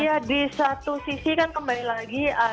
ya di dalam hal ini saya merasa banyak betul